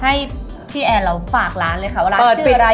ค่ะวันนี้ให้พี่แอนเราฝากร้านเลยค่ะว่าโรงแบบวันสุขอะไรอยู่นี่ไหน